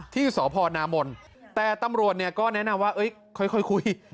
ที่สพนามนแต่ตำรวจเนี่ยก็แนะนำว่าค่อยคุย